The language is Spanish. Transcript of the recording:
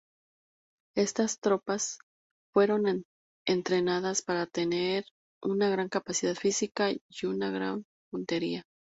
Estas tropas fueron entrenadas para tener una gran capacidad física y una gran puntería.